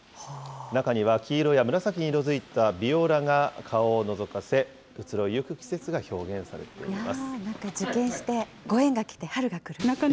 中には黄色や紫に色づいたビオラが顔をのぞかせ、移ろいゆく季節が表現されています。